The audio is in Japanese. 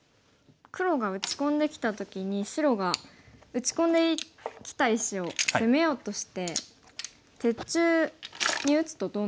黒が打ち込んできた時に白が打ち込んできた石を攻めようとして鉄柱に打つとどうなるんでしょうか。